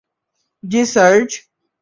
জ্বি, সার্জ!